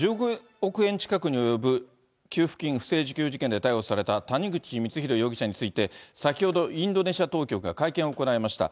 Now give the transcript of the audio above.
１０億円近くに及ぶ給付金不正受給事件で逮捕された谷口光弘容疑者について、先ほど、インドネシア当局が会見を行いました。